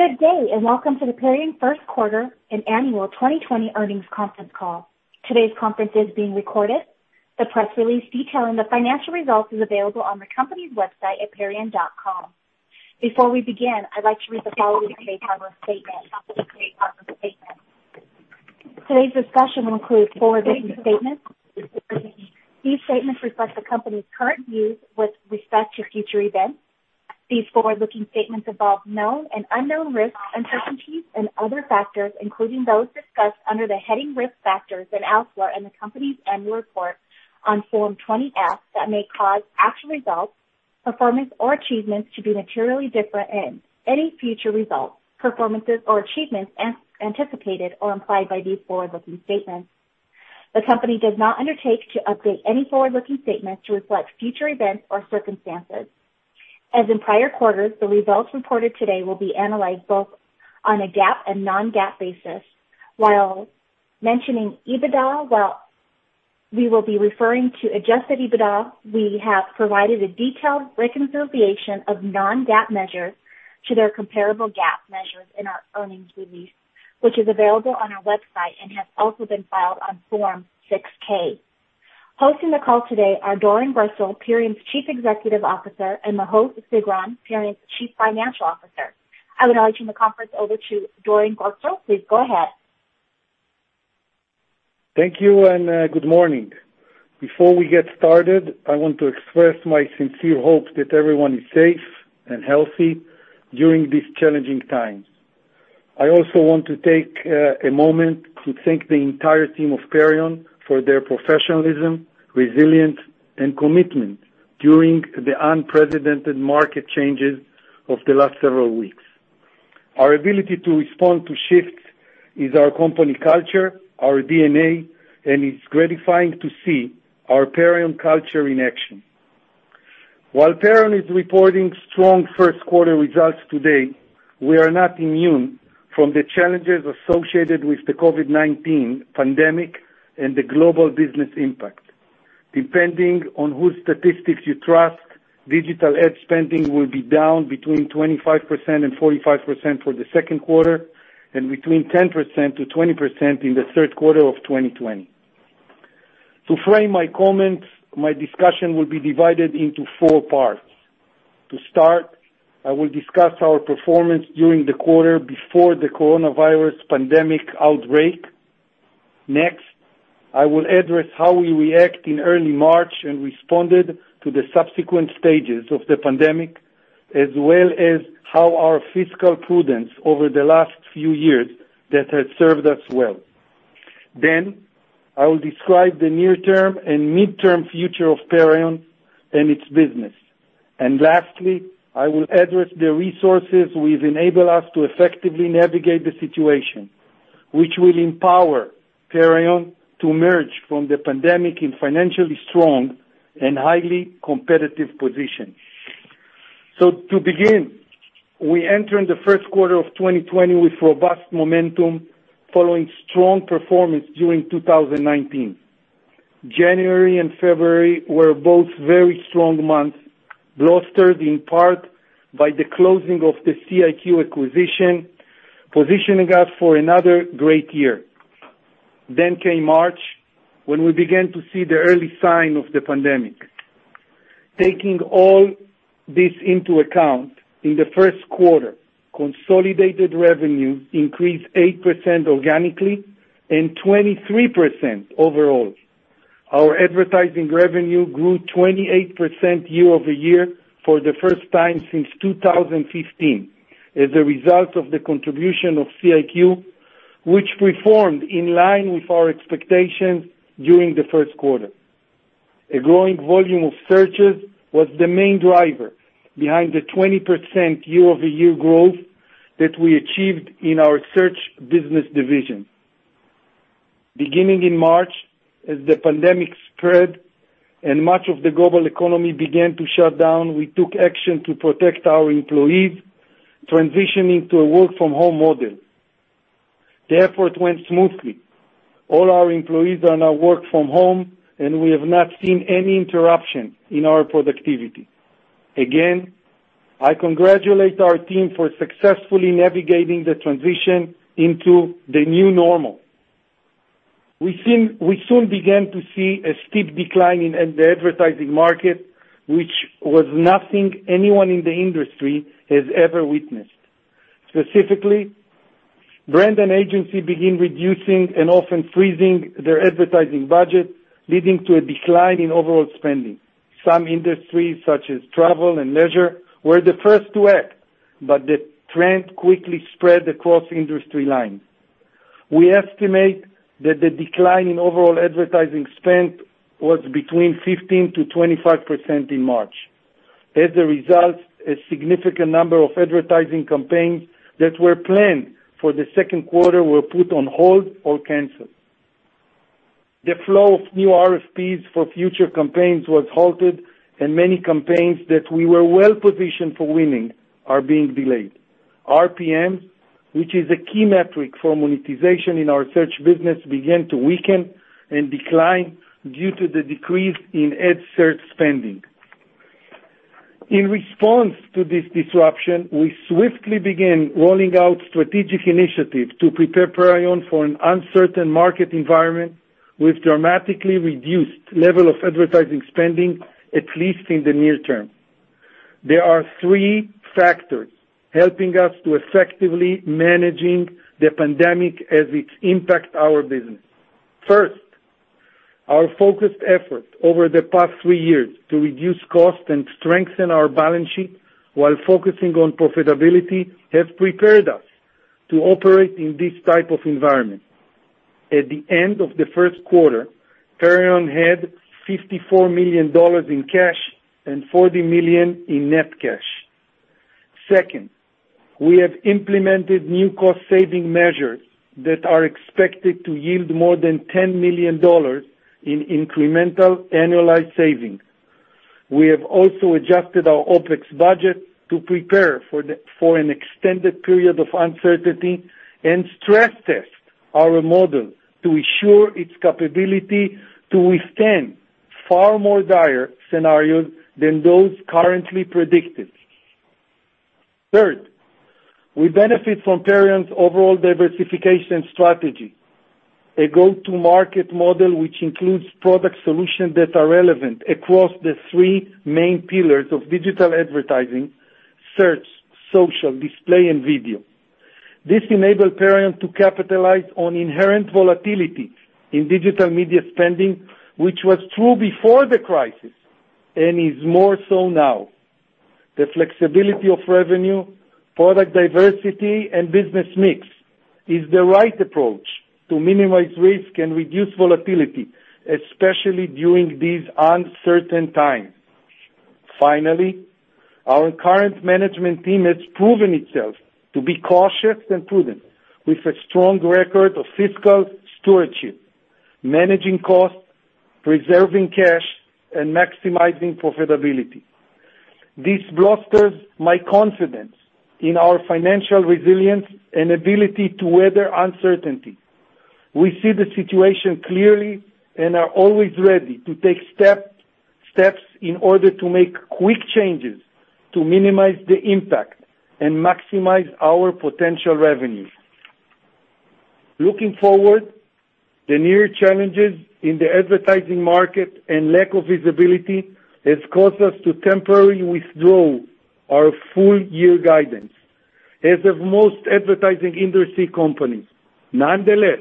Good day, and welcome to the Perion first quarter and annual 2020 earnings conference call. Today's conference is being recorded. The press release detailing the financial results is available on the company's website at perion.com. Before we begin, I'd like to read the following safe harbor statement. Today's discussion will include forward-looking statements. These statements reflect the company's current views with respect to future events. These forward-looking statements involve known and unknown risks, uncertainties, and other factors, including those discussed under the heading Risk Factors and elsewhere in the company's annual report on Form 20-F that may cause actual results, performance, or achievements to be materially different and any future results, performances, or achievements anticipated or implied by these forward-looking statements. The company does not undertake to update any forward-looking statements to reflect future events or circumstances. As in prior quarters, the results reported today will be analyzed both on a GAAP and non-GAAP basis. While mentioning EBITDA, we will be referring to adjusted EBITDA. We have provided a detailed reconciliation of non-GAAP measures to their comparable GAAP measures in our earnings release, which is available on our website and has also been filed on Form 6-K. Hosting the call today are Doron Gerstel, Perion's Chief Executive Officer, and Maoz Sigron, Perion's Chief Financial Officer. I would now turn the conference over to Doron Gerstel. Please go ahead. Thank you, and good morning. Before we get started, I want to express my sincere hopes that everyone is safe and healthy during these challenging times. I also want to take a moment to thank the entire team of Perion for their professionalism, resilience, and commitment during the unprecedented market changes of the last several weeks. Our ability to respond to shifts is our company culture, our DNA, and it's gratifying to see our Perion culture in action. While Perion is reporting strong first quarter results today, we are not immune from the challenges associated with the COVID-19 pandemic and the global business impact. Depending on whose statistics you trust, digital ad spending will be down between 25% and 45% for the second quarter and between 10% to 20% in the third quarter of 2020. To frame my comments, my discussion will be divided into four parts. To start, I will discuss our performance during the quarter before the coronavirus pandemic outbreak. Next, I will address how we react in early March and responded to the subsequent stages of the pandemic, as well as how our fiscal prudence over the last few years that has served us well. I will describe the near-term and mid-term future of Perion and its business. Lastly, I will address the resources will enable us to effectively navigate the situation, which will empower Perion to emerge from the pandemic in financially strong and highly competitive position. To begin, we enter in the first quarter of 2020 with robust momentum following strong performance during 2019. January and February were both very strong months, bolstered in part by the closing of the CIQ acquisition, positioning us for another great year. Came March, when we began to see the early sign of the pandemic. Taking all this into account, in the first quarter, consolidated revenue increased 8% organically and 23% overall. Our advertising revenue grew 28% year-over-year for the first time since 2015 as a result of the contribution of CIQ, which performed in line with our expectations during the first quarter. A growing volume of searches was the main driver behind the 20% year-over-year growth that we achieved in our search business division. Beginning in March, as the pandemic spread and much of the global economy began to shut down, we took action to protect our employees, transitioning to a work-from-home model. The effort went smoothly. All our employees are now work-from-home, and we have not seen any interruption in our productivity. Again, I congratulate our team for successfully navigating the transition into the new normal. We soon began to see a steep decline in the advertising market, which was nothing anyone in the industry has ever witnessed. Specifically, brand and agency begin reducing and often freezing their advertising budget, leading to a decline in overall spending. Some industries, such as travel and leisure, were the first to act, but the trend quickly spread across industry lines. We estimate that the decline in overall advertising spend was between 15%-25% in March. As a result, a significant number of advertising campaigns that were planned for the second quarter were put on hold or canceled. The flow of new RFPs for future campaigns was halted and many campaigns that we were well-positioned for winning are being delayed. RPMs, which is a key metric for monetization in our search business, began to weaken and decline due to the decrease in ad search spending. In response to this disruption, we swiftly began rolling out strategic initiatives to prepare Perion for an uncertain market environment with dramatically reduced level of advertising spending, at least in the near term. There are three factors helping us to effectively managing the pandemic as it impacts our business. First, our focused effort over the past three years to reduce cost and strengthen our balance sheet while focusing on profitability, has prepared us to operate in this type of environment. At the end of the first quarter, Perion had $54 million in cash and $40 million in net cash. Second, we have implemented new cost-saving measures that are expected to yield more than $10 million in incremental annualized savings. We have also adjusted our OpEx budget to prepare for an extended period of uncertainty and stress test our model to ensure its capability to withstand far more dire scenarios than those currently predicted. We benefit from Perion's overall diversification strategy, a go-to-market model, which includes product solutions that are relevant across the three main pillars of digital advertising, search, social, display, and video. This enabled Perion to capitalize on inherent volatility in digital media spending, which was true before the crisis and is more so now. The flexibility of revenue, product diversity, and business mix is the right approach to minimize risk and reduce volatility, especially during these uncertain times. Our current management team has proven itself to be cautious and prudent with a strong record of fiscal stewardship, managing costs, preserving cash, and maximizing profitability. This bolsters my confidence in our financial resilience and ability to weather uncertainty. We see the situation clearly and are always ready to take steps in order to make quick changes to minimize the impact and maximize our potential revenues. Looking forward, the near challenges in the advertising market and lack of visibility has caused us to temporarily withdraw our full-year guidance. As of most advertising industry companies, nonetheless,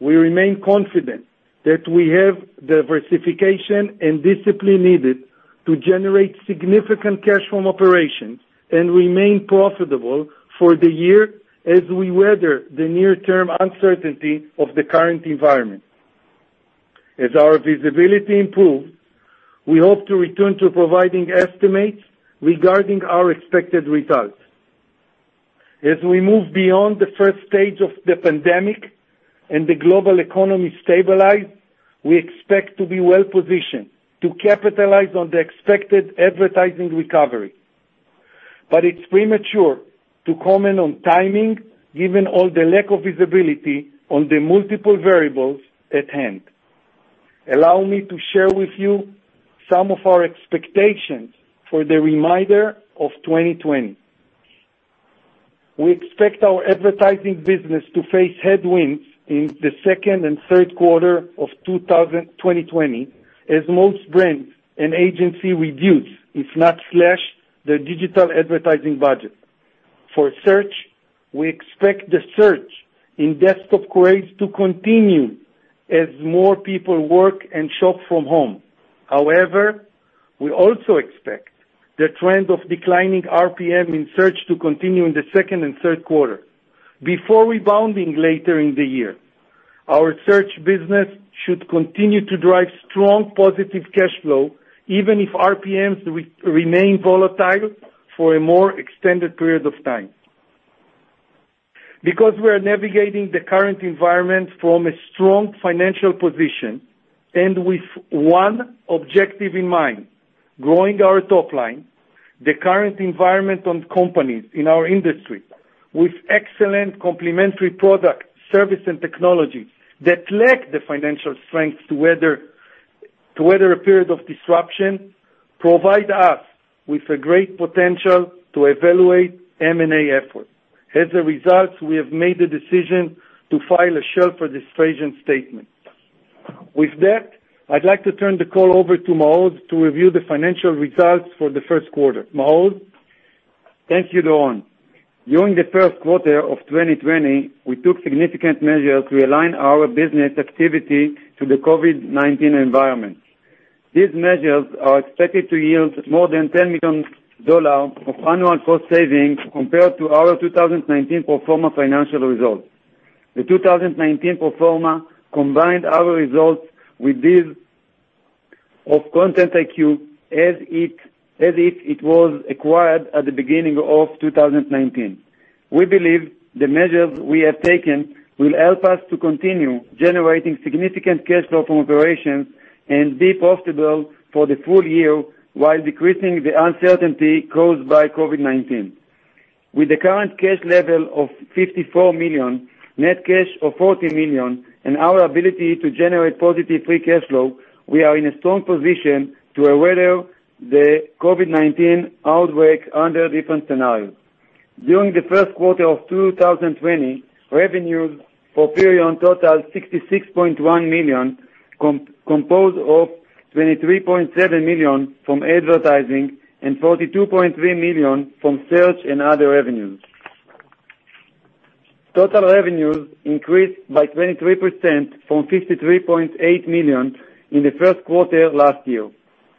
we remain confident that we have the diversification and discipline needed to generate significant cash from operations and remain profitable for the year as we weather the near-term uncertainty of the current environment. As our visibility improves, we hope to return to providing estimates regarding our expected results. As we move beyond the first stage of the pandemic and the global economy stabilize, we expect to be well-positioned to capitalize on the expected advertising recovery. It's premature to comment on timing, given all the lack of visibility on the multiple variables at hand. Allow me to share with you some of our expectations for the remainder of 2020. We expect our advertising business to face headwinds in the second and third quarter of 2020, as most brands and agency reviews, if not slash their digital advertising budget. For search, we expect the search in desktop queries to continue as more people work and shop from home. However, we also expect the trend of declining RPM in search to continue in the second and third quarter before rebounding later in the year. Our search business should continue to drive strong positive cash flow, even if RPMs remain volatile for a more extended period of time. We're navigating the current environment from a strong financial position and with one objective in mind, growing our top line, the current environment on companies in our industry with excellent complementary product, service, and technology that lack the financial strength to weather a period of disruption, provide us with a great potential to evaluate M&A efforts. We have made the decision to file a shelf registration statement. I'd like to turn the call over to Maoz to review the financial results for the first quarter. Maoz? Thank you, Doron. During the first quarter of 2020, we took significant measures to align our business activity to the COVID-19 environment. These measures are expected to yield more than $10 million of annual cost savings compared to our 2019 pro forma financial results. The 2019 pro forma combined our results with these of Content IQ as if it was acquired at the beginning of 2019. We believe the measures we have taken will help us to continue generating significant cash flow from operations and be profitable for the full year while decreasing the uncertainty caused by COVID-19. With the current cash level of $54 million, net cash of $40 million, and our ability to generate positive free cash flow, we are in a strong position to weather the COVID-19 outbreak under different scenarios. During the first quarter of 2020, revenues for Perion totaled $66.1 million, composed of $23.7 million from advertising and $42.3 million from search and other revenues. Total revenues increased by 23% from $53.8 million in the first quarter last year.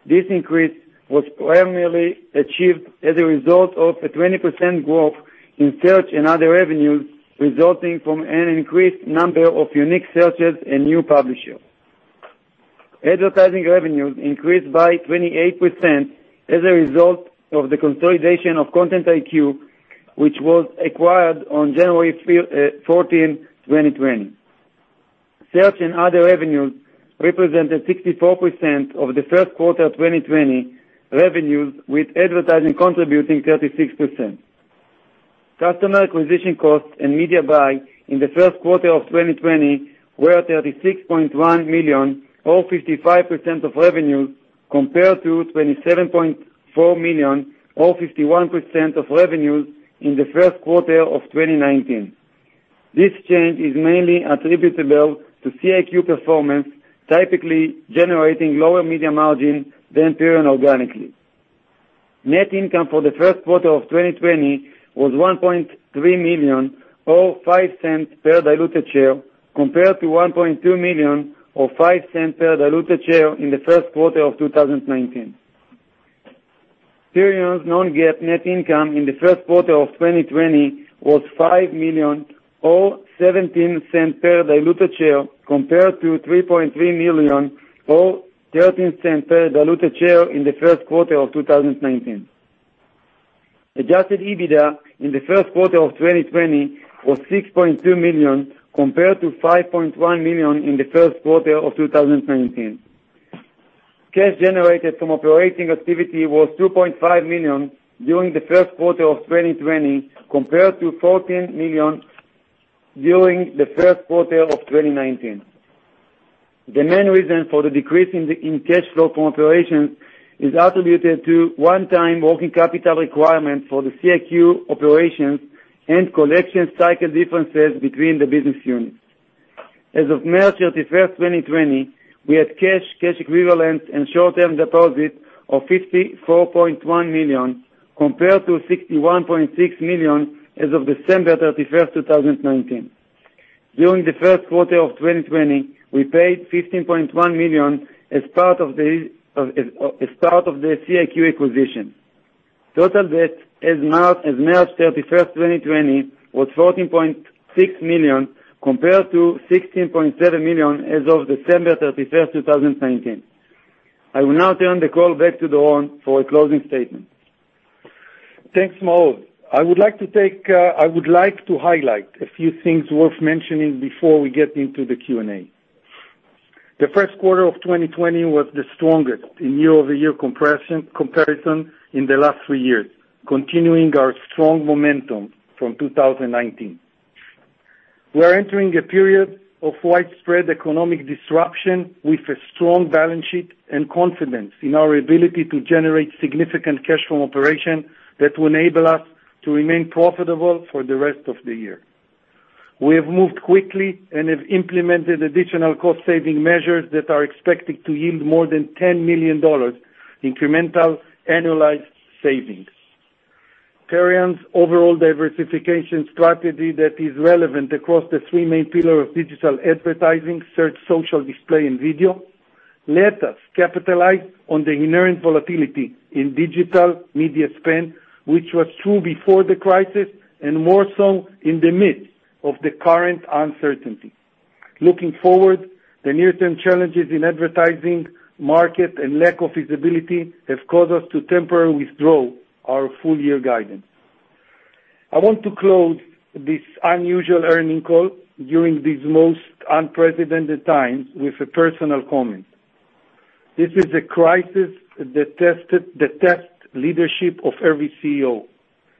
This increase was primarily achieved as a result of a 20% growth in search and other revenues, resulting from an increased number of unique searches and new publishers. Advertising revenues increased by 28% as a result of the consolidation of Content IQ, which was acquired on January 14, 2020. Search and other revenues represented 64% of the first quarter 2020 revenues, with advertising contributing 36%. Customer acquisition costs and media buy in the first quarter of 2020 were $36.1 million, or 55% of revenues, compared to $27.4 million, or 51% of revenues, in the first quarter of 2019. This change is mainly attributable to CIQ performance, typically generating lower media margin than Perion organically. Net income for the first quarter of 2020 was $1.3 million, or $0.05 per diluted share, compared to $1.2 million, or $0.05 per diluted share, in the first quarter of 2019. Perion's non-GAAP net income in the first quarter of 2020 was $5 million, or $0.17 per diluted share, compared to $3.3 million, or $0.13 per diluted share, in the first quarter of 2019. Adjusted EBITDA in the first quarter of 2020 was $6.2 million, compared to $5.1 million in the first quarter of 2019. Cash generated from operating activity was $2.5 million during the first quarter of 2020, compared to $14 million during the first quarter of 2019. The main reason for the decrease in cash flow from operations is attributed to one-time working capital requirements for the CIQ operations and collection cycle differences between the business units. As of March 31st, 2020, we had cash equivalents, and short-term deposits of $54.1 million, compared to $61.6 million as of December 31st, 2019. During the first quarter of 2020, we paid $15.1 million as part of the CIQ acquisition. Total debt as of March 31st, 2020, was $14.6 million, compared to $16.7 million as of December 31st, 2019. I will now turn the call back to Doron for a closing statement. Thanks, Maoz. I would like to highlight a few things worth mentioning before we get into the Q&A. The first quarter of 2020 was the strongest in year-over-year comparison in the last three years, continuing our strong momentum from 2019. We are entering a period of widespread economic disruption with a strong balance sheet and confidence in our ability to generate significant cash from operation that will enable us to remain profitable for the rest of the year. We have moved quickly and have implemented additional cost-saving measures that are expected to yield more than $10 million incremental annualized savings. Perion's overall diversification strategy that is relevant across the three main pillars of digital advertising, search, social display, and video, let us capitalize on the inherent volatility in digital media spend, which was true before the crisis, and more so in the midst of the current uncertainty. Looking forward, the near-term challenges in advertising market and lack of visibility have caused us to temporarily withdraw our full-year guidance. I want to close this unusual earnings call during these most unprecedented times with a personal comment. This is a crisis that tests leadership of every CEO,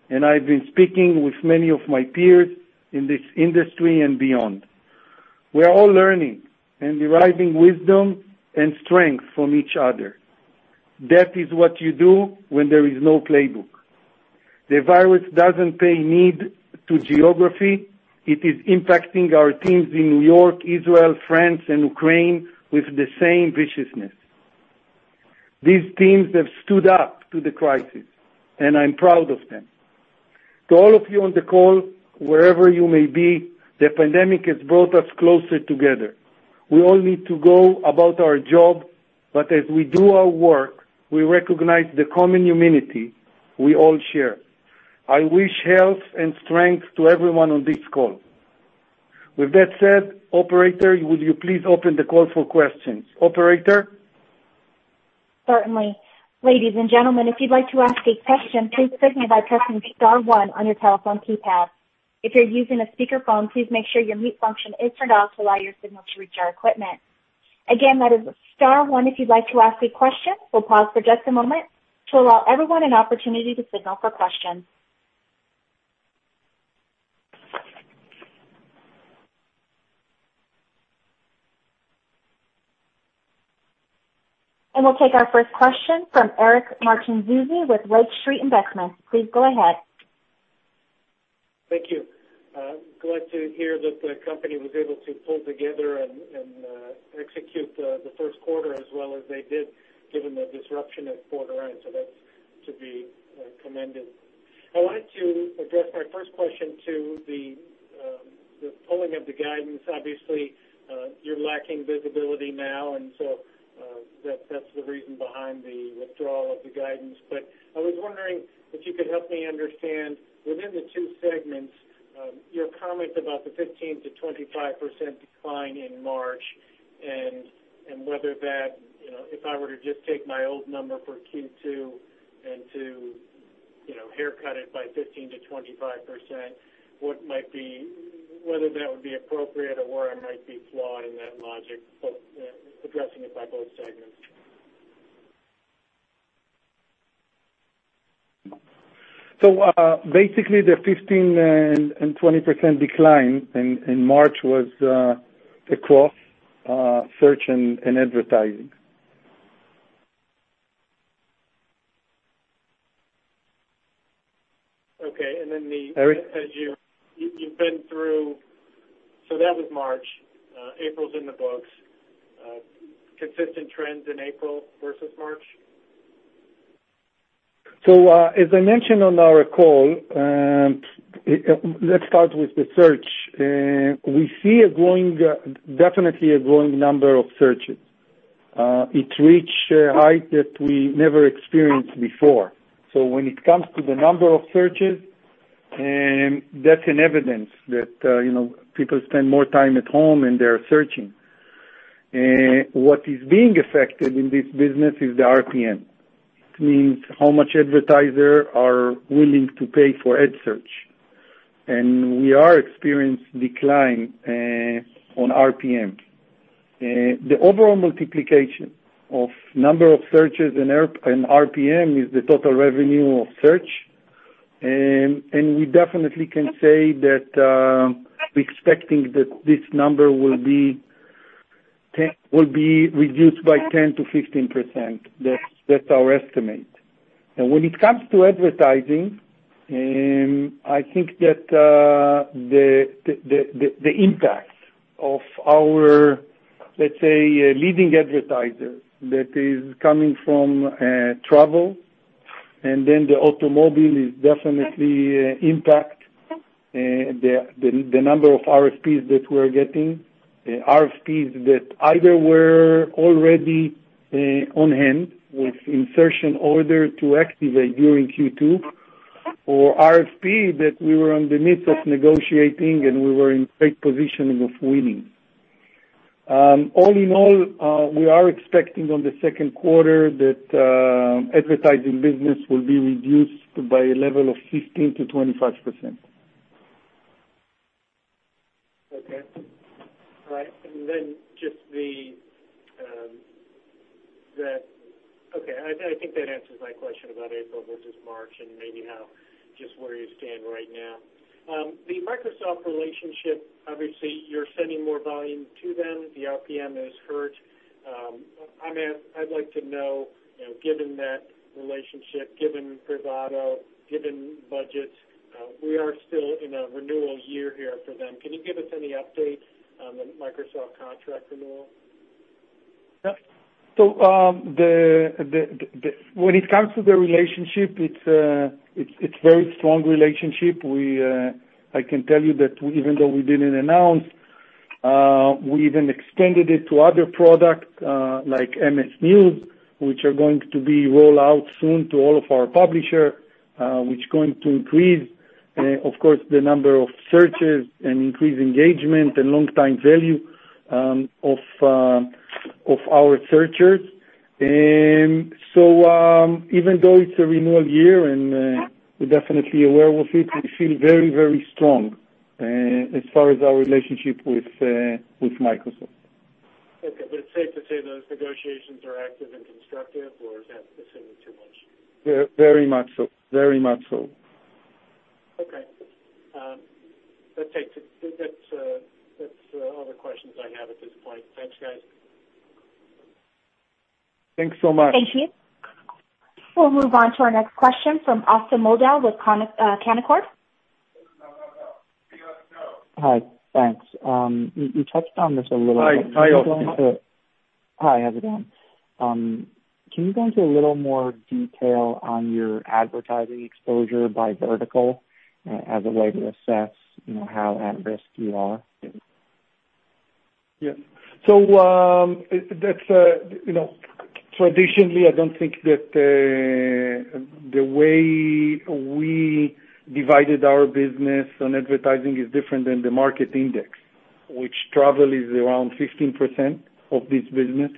and I've been speaking with many of my peers in this industry and beyond. We are all learning and deriving wisdom and strength from each other. That is what you do when there is no playbook. The virus doesn't pay heed to geography. It is impacting our teams in New York, Israel, France, and Ukraine with the same viciousness. These teams have stood up to the crisis, and I'm proud of them. To all of you on the call, wherever you may be, the pandemic has brought us closer together. We all need to go about our job, but as we do our work, we recognize the common humanity we all share. I wish health and strength to everyone on this call. With that said, operator, would you please open the call for questions? Operator? Certainly. Ladies and gentlemen, if you'd like to ask a question, please signal by pressing star one on your telephone keypad. If you're using a speakerphone, please make sure your mute function is turned off to allow your signal to reach our equipment. Again, that is star one if you'd like to ask a question. We'll pause for just a moment to allow everyone an opportunity to signal for questions. We'll take our first question from Eric Martinuzzi with Lake Street Capital Markets. Please go ahead. Thank you. Glad to hear that the company was able to pull together and execute the first quarter as well as they did, given the disruption at border lines. That's to be commended. I wanted to address my first question to the pulling of the guidance. Obviously, you're lacking visibility now, that's the reason behind the withdrawal of the guidance. I was wondering if you could help me understand, within the two segments, your comments about the 15%-25% decline in March, and if I were to just take my old number for Q2 and to haircut it by 15%-25%, whether that would be appropriate, or where I might be flawed in that logic, addressing it by both segments. Basically, the 15% and 20% decline in March was across search and advertising. Okay. Eric? As you've been through, so that was March. April's in the books. Consistent trends in April versus March? As I mentioned on our call, let's start with the search. We see definitely a growing number of searches. It reached a height that we never experienced before. When it comes to the number of searches, that's an evidence that people spend more time at home, and they're searching. What is being affected in this business is the RPM. It means how much advertisers are willing to pay for ad search, and we are experiencing decline on RPM. The overall multiplication of number of searches and RPM is the total revenue of search, and we definitely can say that we're expecting that this number will be reduced by 10%-15%. That's our estimate. When it comes to advertising, I think that the impact of our, let's say, leading advertisers that is coming from travel, and then the automobile is definitely impact the number of RFPs that we're getting. RFPs that either were already on hand with insertion order to activate during Q2, or RFP that we were in the midst of negotiating, and we were in great position of winning. All in all, we are expecting on the second quarter that advertising business will be reduced by a level of 15%-25%. Okay. All right. I think that answers my question about April versus March, and maybe now just where you stand right now. The Microsoft relationship, obviously, you're sending more volume to them. The RPM is hurt. I'd like to know, given that relationship, given Privado, given budgets, we are still in a renewal year here for them. Can you give us any updates on the Microsoft contract renewal? When it comes to the relationship, it's very strong relationship. I can tell you that even though we didn't announce, we even extended it to other product, like MSN News, which are going to be roll out soon to all of our publisher, which going to increase, of course, the number of searches and increase engagement and long-time value of our searchers. Even though it's a renewal year, and we're definitely aware of it, we feel very, very strong as far as our relationship with Microsoft. Okay. It's safe to say those negotiations are active and constructive, or is that assuming too much? Very much so. Okay. That's all the questions I have at this point. Thanks, guys. Thanks so much. Thank you. We'll move on to our next question from Austin Moldow with Canaccord. Hi. Thanks. You touched on this a little bit. Hi, Austin. Hi, how's it going? Can you go into a little more detail on your advertising exposure by vertical as a way to assess how at risk you are? Yeah. Traditionally, I don't think that the way we divided our business on advertising is different than the market index, which travel is around 15% of this business.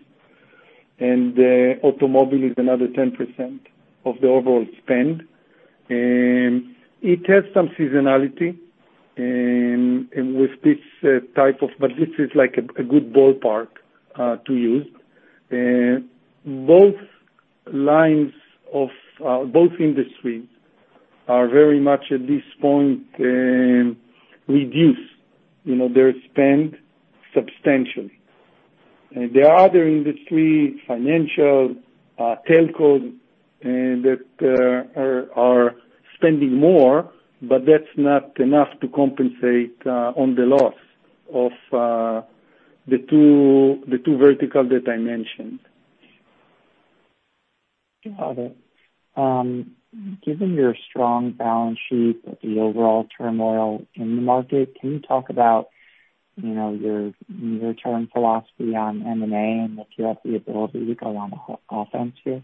Automobile is another 10% of the overall spend. It has some seasonality, but this is a good ballpark to use. Both industries are very much at this point, reduce their spend substantially. There are other industry, financial, telco, that are spending more, but that's not enough to compensate on the loss of the two vertical that I mentioned. Got it. Given your strong balance sheet with the overall turmoil in the market, can you talk about your return philosophy on M&A and if you have the ability to go on offense here?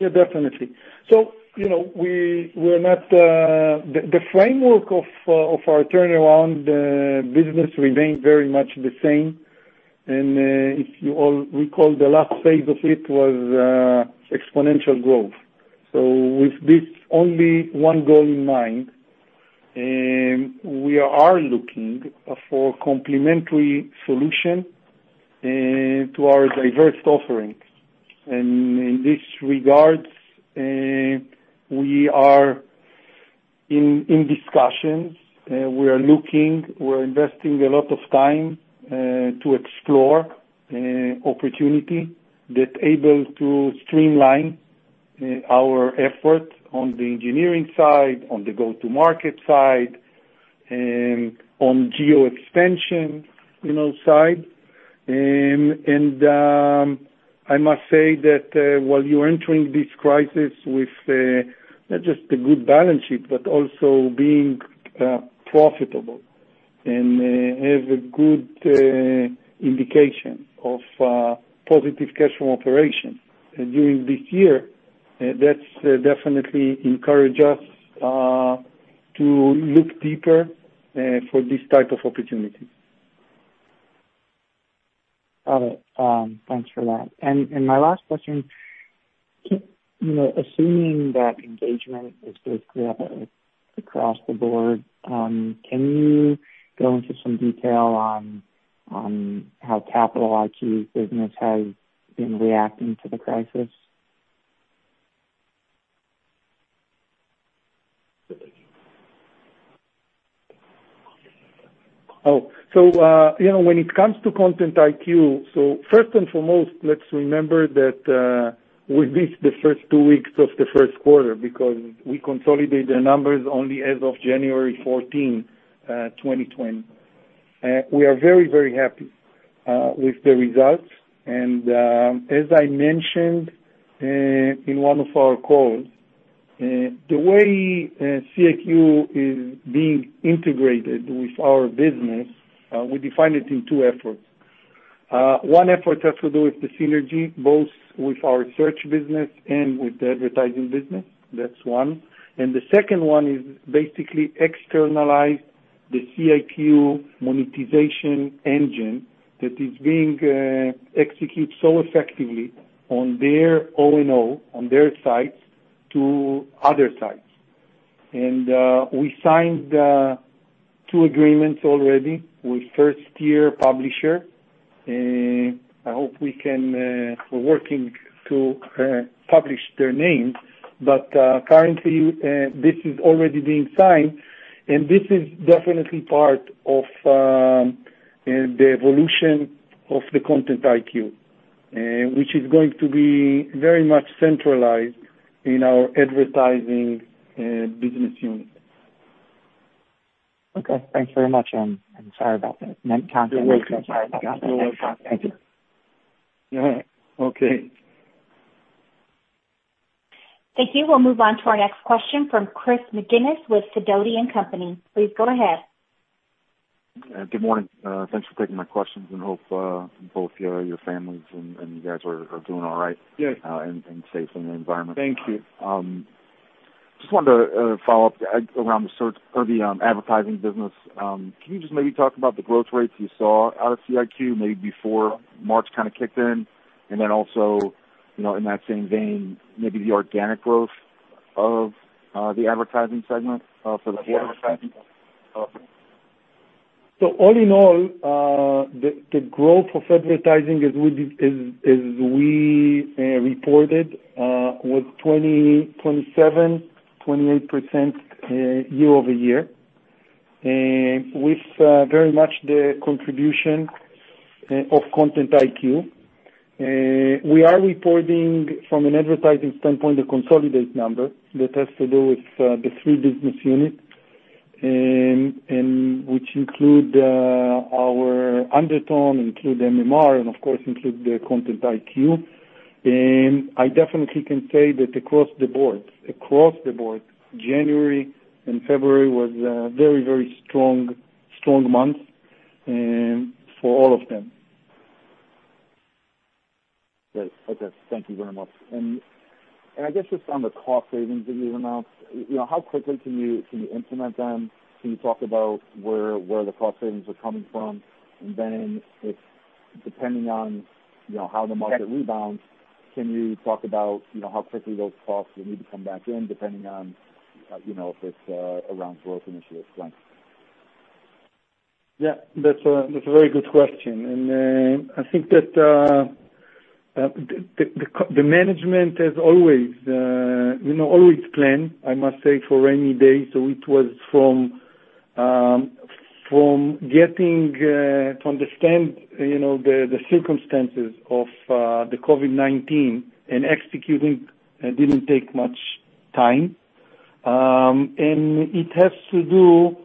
Yeah, definitely. The framework of our turnaround business remains very much the same, and if you all recall, the last phase of it was exponential growth. With this only one goal in mind, we are looking for complimentary solution to our diverse offerings. In this regards, we are in discussions. We are looking, we're investing a lot of time, to explore opportunity that able to streamline our effort on the engineering side, on the go-to-market side, and on geo expansion side. I must say that, while you're entering this crisis with not just a good balance sheet, but also being profitable and has a good indication of positive cash from operation during this year, that definitely encourage us to look deeper for this type of opportunity. Got it. Thanks for that. My last question, assuming that engagement is good across the board, can you go into some detail on how Capital IQ business has been reacting to the crisis? When it comes to Content IQ, first and foremost, let's remember that, with this the first two weeks of the first quarter, because we consolidate the numbers only as of January 14th, 2020. We are very happy with the results. As I mentioned, in one of our calls, the way CIQ is being integrated with our business, we define it in two efforts. One effort has to do with the synergy, both with our search business and with the advertising business. That's one. The second one is basically externalize the CIQ monetization engine that is being executed so effectively on their O&O, on their sites to other sites. We signed two agreements already with first-tier publisher. We're working to publish their names, but, currently, this is already being signed, and this is definitely part of the evolution of the Content IQ, which is going to be very much centralized in our advertising and business unit. Okay, thanks very much. I'm sorry about that. You're welcome. Thank you. All right. Okay. Thank you. We'll move on to our next question from Chris McGinnis with Sidoti & Company. Please go ahead. Good morning. Thanks for taking my questions and hope both your families and you guys are doing all right. Yes. Safe in the environment. Thank you. Just wanted to follow up around the advertising business. Can you just maybe talk about the growth rates you saw out of CIQ, maybe before March kind of kicked in? Also, in that same vein, maybe the organic growth of the advertising segment. All in all, the growth of advertising as we reported, was 27%-28% year-over-year, with very much the contribution of Content IQ. We are reporting from an advertising standpoint, the consolidated number that has to do with the three business units, and which include our Undertone, include MMR, and of course, include the Content IQ. I definitely can say that across the board, January and February was very strong months for all of them. Great. Okay. Thank you very much. I guess just on the cost savings that you've announced, how quickly can you implement them? Can you talk about where the cost savings are coming from? If, depending on how the market rebounds, can you talk about how quickly those costs will need to come back in, depending on if it's around growth initiatives? Thanks. Yeah, that's a very good question. I think that the management has always planned, I must say, for rainy days, so it was from getting to understand the circumstances of the COVID-19 and executing, didn't take much time. It has to do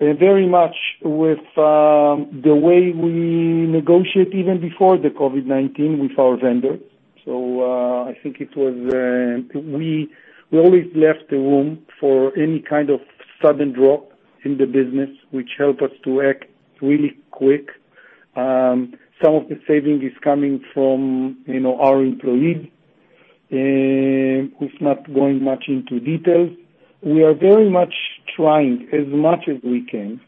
very much with the way we negotiate even before the COVID-19 with our vendors. I think we always left the room for any kind of sudden drop in the business, which helped us to act really quick. Some of the saving is coming from our employees, it's not going much into details. We are very much trying as much as we can,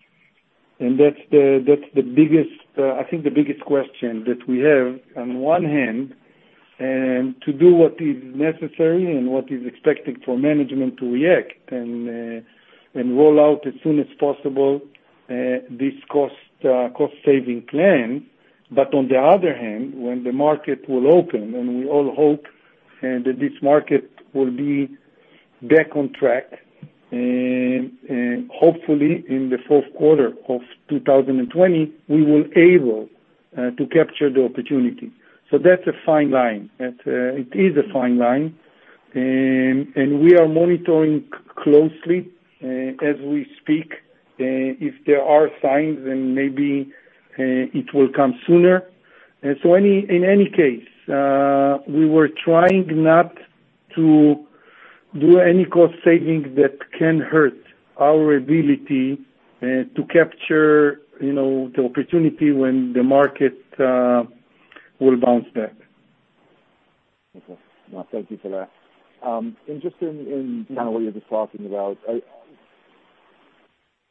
and that's, I think, the biggest question that we have, on one hand, to do what is necessary and what is expected for management to react and roll out as soon as possible this cost-saving plan. On the other hand, when the market will open, and we all hope that this market will be back on track, and hopefully, in the fourth quarter of 2020, we will able to capture the opportunity. That's a fine line. It is a fine line, and we are monitoring closely as we speak. If there are signs, then maybe it will come sooner. In any case, we were trying not to do any cost saving that can hurt our ability to capture the opportunity when the market will bounce back. Okay. Thank you for that. Just in kind of what you were just talking about,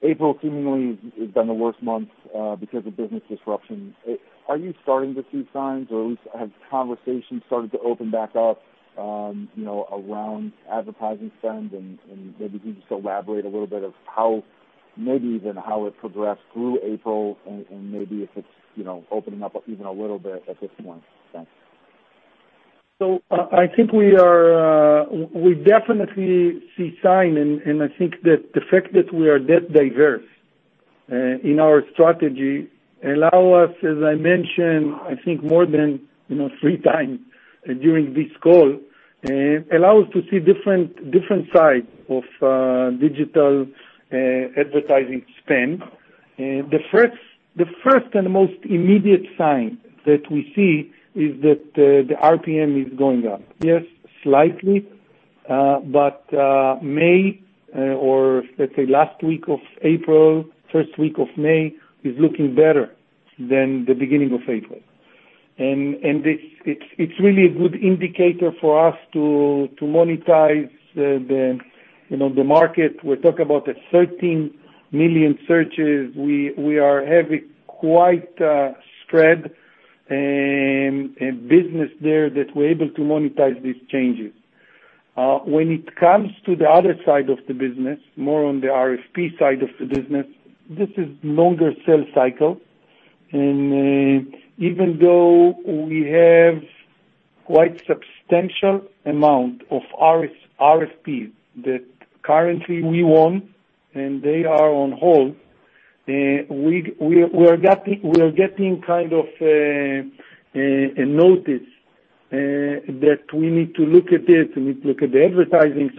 April seemingly has been the worst month because of business disruption. Are you starting to see signs, or at least have conversations started to open back up around advertising spends and maybe can you just elaborate a little bit of maybe even how it progressed through April and maybe if it's opening up even a little bit at this point? Thanks. I think we definitely see sign, and I think that the fact that we are that diverse in our strategy allow us, as I mentioned, I think more than three times during this call, allow us to see different sides of digital advertising spend. The first and the most immediate sign that we see is that the RPM is going up. Yes, slightly, but May, or let's say last week of April, first week of May, is looking better than the beginning of April. It's really a good indicator for us to monetize the market. We talk about the 13 million searches. We are having quite a spread and business there that we're able to monetize these changes. When it comes to the other side of the business, more on the RFP side of the business, this is longer sales cycle. Even though we have quite substantial amount of RFPs that currently we won, and they are on hold, we're getting kind of a notice that we need to look at it, we need to look at the advertising.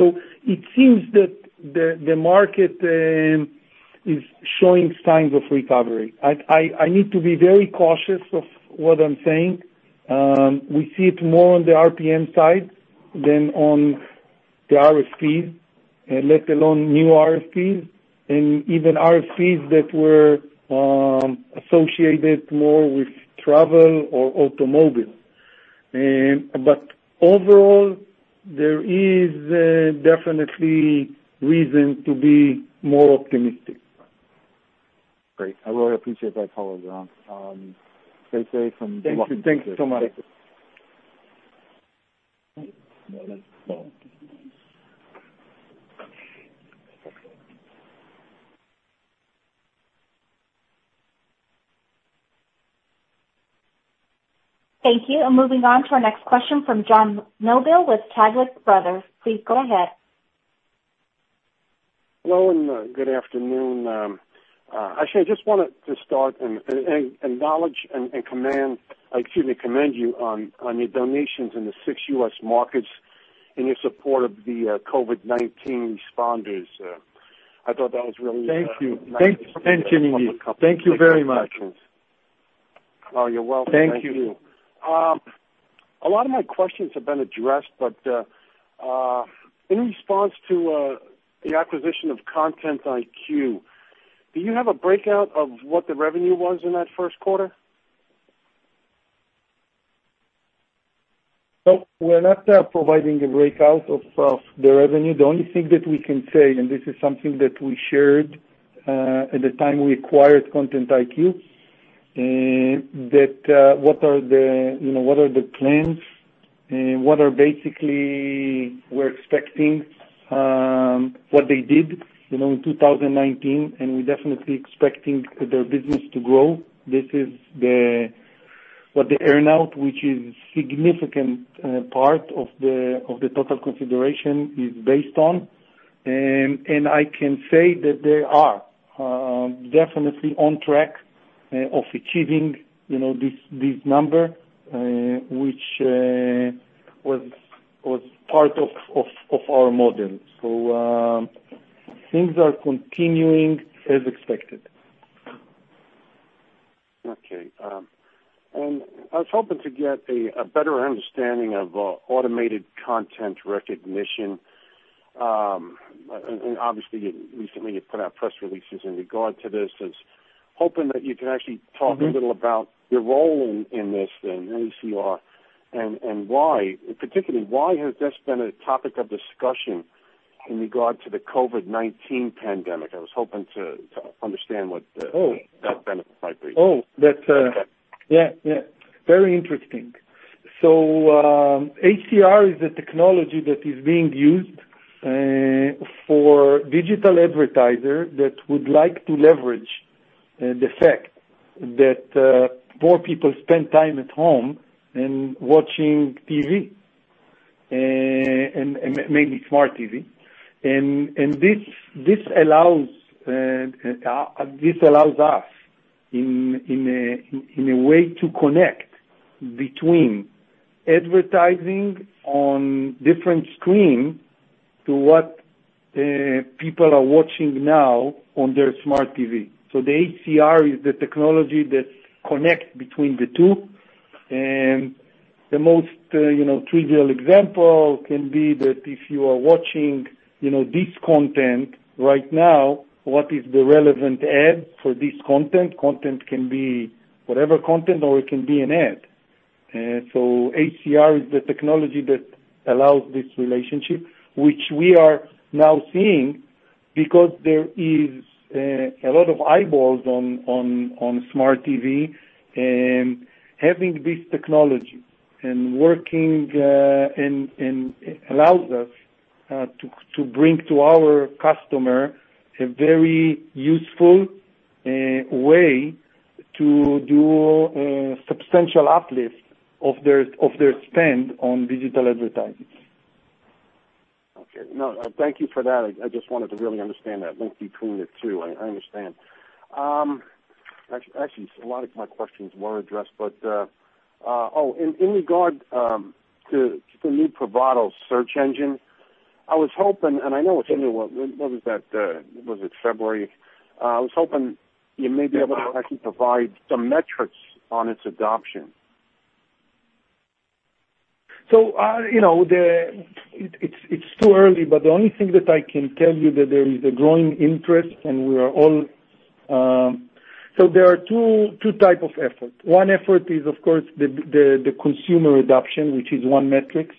It seems that the market is showing signs of recovery. I need to be very cautious of what I'm saying. We see it more on the RPM side than on the RFPs, let alone new RFPs and even RFPs that were associated more with travel or automobile. Overall, there is definitely reason to be more optimistic. Great. I really appreciate that color, Doron. Stay safe and good luck. Thank you so much. Thank you. Moving on to our next question from Juan Noble with Taglich Brother. Please go ahead. Hello, good afternoon. Actually, I just wanted to start and acknowledge and commend you on your donations in the six U.S. markets and your support of the COVID-19 responders. Thank you. Thank you. Thank you very much. Nice to see a public company take that action. Oh, you're welcome. Thank you. Thank you. A lot of my questions have been addressed. In response to the acquisition of Content IQ, do you have a breakout of what the revenue was in that first quarter? We're not providing a breakout of the revenue. The only thing that we can say, and this is something that we shared at the time we acquired Content IQ, what are the plans and what are basically we're expecting what they did in 2019, and we're definitely expecting their business to grow. This is what the earn-out, which is significant part of the total consideration, is based on. I can say that they are definitely on track of achieving this number, which was part of our model. Things are continuing as expected. Okay. I was hoping to get a better understanding of automated content recognition. Obviously, recently you put out press releases in regard to this. A little about your role in this then, ACR, and why? Particularly, why has this been a topic of discussion in regard to the COVID-19 pandemic? Oh. That benefit might be. Oh, that, yeah. Very interesting. ACR is a technology that is being used for digital advertisers that would like to leverage the fact that more people spend time at home and watching TV, and maybe smart TV. This allows us in a way to connect between advertising on different screen to what people are watching now on their smart TV. The ACR is the technology that connects between the two, and the most trivial example can be that if you are watching this content right now, what is the relevant ad for this content? Content can be whatever content, or it can be an ad. ACR is the technology that allows this relationship, which we are now seeing because there is a lot of eyeballs on smart TV and having this technology and working, allows us to bring to our customer a very useful way to do a substantial uplift of their spend on digital advertisements. Okay. No, thank you for that. I just wanted to really understand that link between the two. I understand. Actually, a lot of my questions were addressed, oh, in regard to the new Privado search engine, I was hoping, and I know it's only, what was that, was it February? I was hoping you may be able to actually provide some metrics on its adoption. It's too early, but the only thing that I can tell you that there is a growing interest, and we are all. There are two type of effort. One effort is, of course, the consumer adoption, which is one metrics.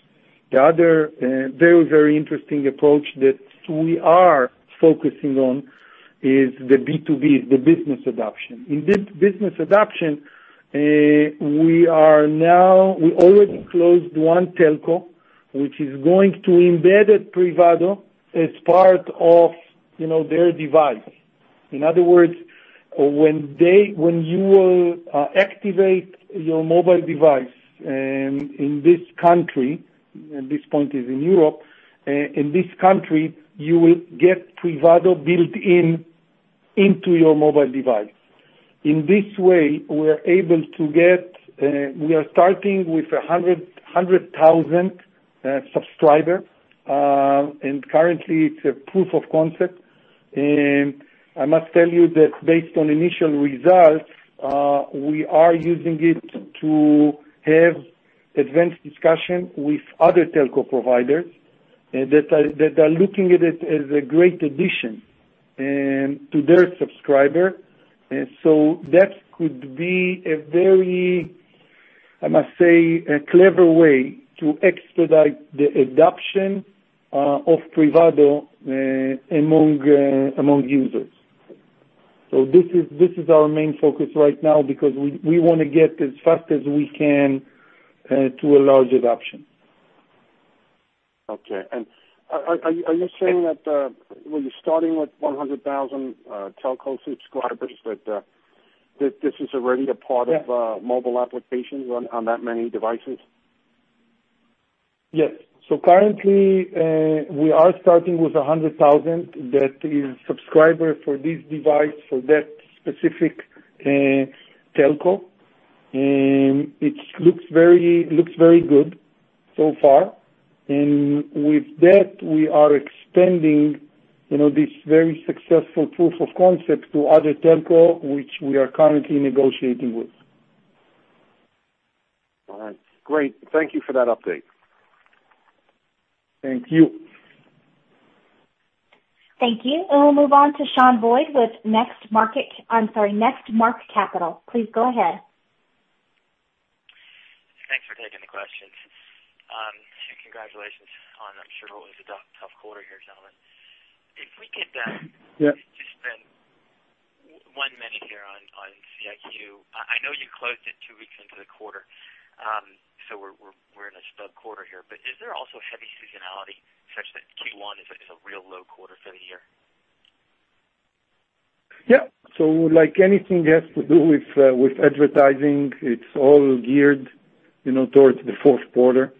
The other, very interesting approach that we are focusing on is the B2B, is the business adoption. In business adoption, we already closed one telco, which is going to embed a Privado as part of their device. In other words, when you will activate your mobile device in this country, at this point is in Europe, in this country, you will get Privado built into your mobile device. In this way, we are starting with 100,000 subscriber, and currently it's a proof of concept. I must tell you that based on initial results, we are using it to have advanced discussion with other telco providers that are looking at it as a great addition to their subscriber. That could be a very, I must say, clever way to expedite the adoption of Privado among users. This is our main focus right now because we want to get as fast as we can to a large adoption. Okay. are you saying that, well, you're starting with 100,000 telco subscribers, that this is already a part of. Yeah. Mobile applications on that many devices? Yes. Currently, we are starting with 100,000 that is subscriber for this device, for that specific telco. It looks very good so far. With that, we are extending this very successful proof of concept to other telco, which we are currently negotiating with. All right, great. Thank you for that update. Thank you. Thank you. We'll move on to Shawn Boyd with Next Market. I'm sorry, Next Mark Capital. Please go ahead. Thanks for taking the questions. Congratulations on, I'm sure what was a tough quarter here, gentlemen. Yeah. Just spend one minute here on CIQ. I know you closed it two weeks into the quarter, so we're in a stub quarter here. Is there also heavy seasonality such that Q1 is a real low quarter for the year? Yeah. Like anything that has to do with advertising, it's all geared towards the fourth quarter.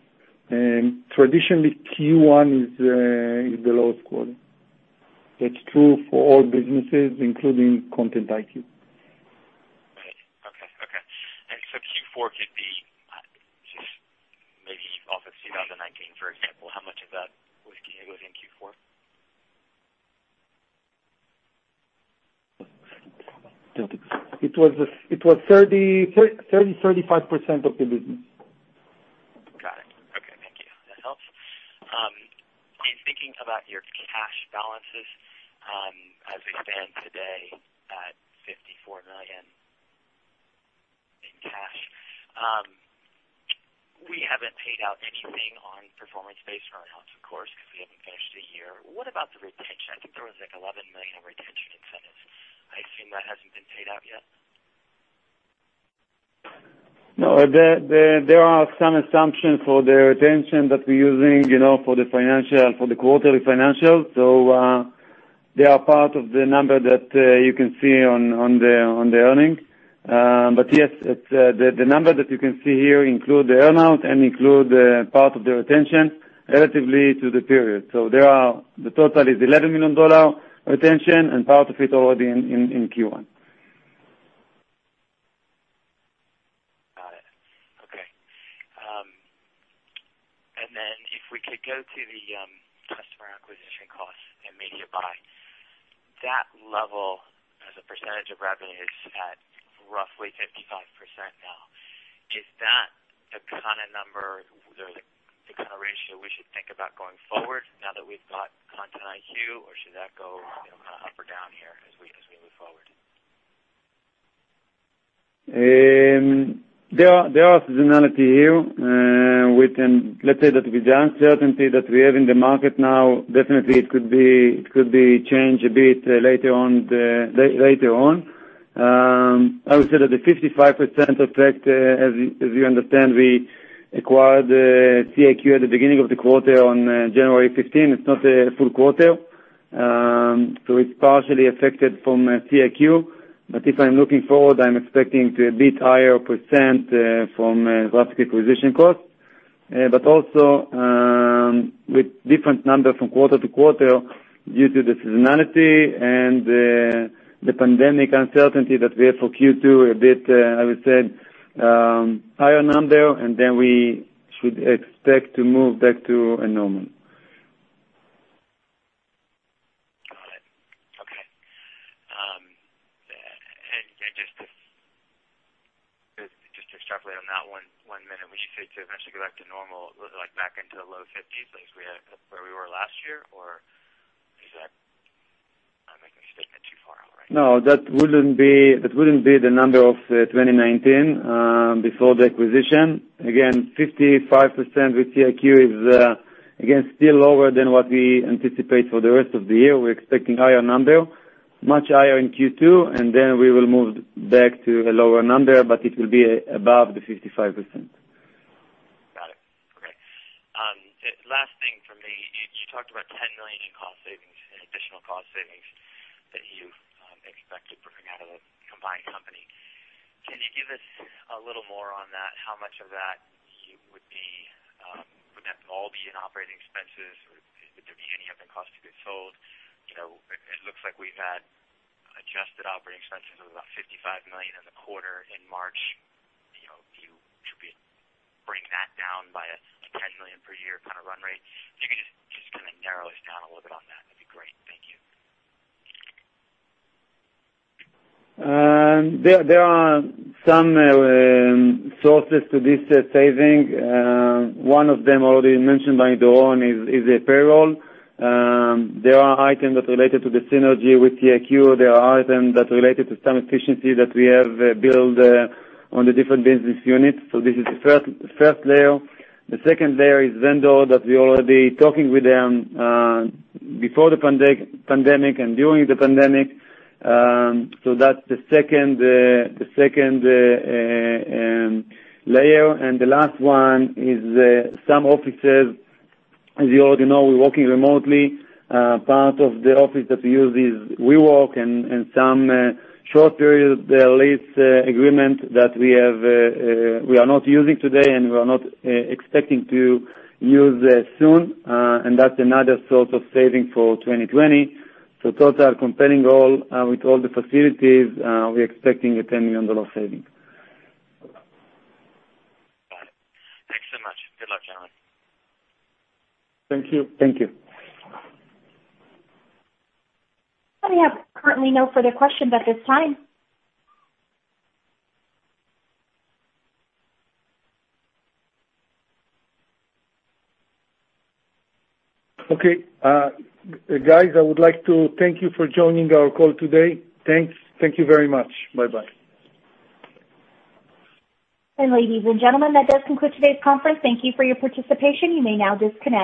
Traditionally, Q1 is the lowest quarter. It's true for all businesses, including Content IQ. Right. Okay. Q4 could be, just maybe off of 2019, for example, how much of that was in Q4? It was 30%, 35% of the business. Got it. Okay, thank you. That helps. In thinking about your cash balances, as we stand today at $54 million in cash, we haven't paid out anything on performance-based earn-outs, of course, because we haven't finished the year. What about the retention? I think there was like $11 million of retention incentives. I assume that hasn't been paid out yet. No, there are some assumptions for the retention that we're using for the quarterly financials. They are part of the number that you can see on the earnings. Yes, the number that you can see here include the earn-out and include part of the retention relatively to the period. The total is $11 million retention and part of it already in Q1. Got it. Okay. If we could go to the customer acquisition costs and media buy. That level as a percentage of revenue is at roughly 55% now. Is that the kind of number or the kind of ratio we should think about going forward now that we've got Content IQ, or should that go up or down here as we move forward? There are seasonality here. With the uncertainty that we have in the market now, definitely it could be changed a bit later on. I would say that the 55% effect, as you understand, we acquired CIQ at the beginning of the quarter on January 15. It's not a full quarter. It's partially affected from CIQ. If I'm looking forward, I'm expecting to a bit higher % from roughly acquisition costs. Also, with different numbers from quarter to quarter due to the seasonality and the pandemic uncertainty that we have for Q2, a bit, I would say, higher number, and then we should expect to move back to a normal. Got it. Okay. Just to extrapolate on that one minute, when you say to eventually go back to normal, like back into the low 50s, like where we were last year, or is that making a statement too far out right now? No, that wouldn't be the number of 2019, before the acquisition. Again, 55% with CIQ is again, still lower than what we anticipate for the rest of the year. We're expecting higher number, much higher in Q2, and then we will move back to a lower number, but it will be above the 55%. Got it. Okay. Last thing from me. You talked about $10 million in additional cost savings that you expect to bring out of the combined company. Can you give us a little more on that? How much of that would all be in operating expenses, or would there be any other cost to goods sold? It looks like we've had adjusted operating expenses of about $55 million in the quarter in March. Do you anticipate bringing that down by a $10 million per year kind of run rate? If you could just kind of narrow us down a little bit on that'd be great. Thank you. There are some sources to this saving. One of them already mentioned by Doron is the payroll. There are items that related to the synergy with CIQ. There are items that related to some efficiency that we have built on the different business units. This is the first layer. The second layer is vendor that we already talking with them, before the pandemic and during the pandemic. That's the second layer. The last one is some offices, as you already know, we're working remotely. Part of the office that we use is WeWork and some short-period lease agreement that we are not using today, and we are not expecting to use soon. That's another source of saving for 2020. Total, comparing with all the facilities, we're expecting a $10 million saving. Got it. Thanks so much. Good luck, gentlemen. Thank you. We have currently no further questions at this time. Okay. Guys, I would like to thank you for joining our call today. Thanks. Thank you very much. Bye-bye. Ladies and gentlemen, that does conclude today's conference. Thank you for your participation. You may now disconnect.